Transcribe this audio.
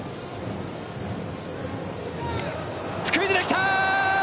スクイズできた！